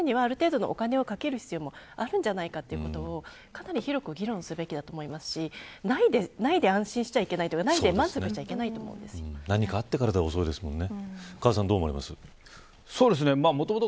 そこにいくためにはある程度お金をかける必要もあるんじゃないかということをかなり広く議論すべきだと思いますしないで安心しちゃいけないというか満足しちゃいけないと何かあったからでは遅いですもんね。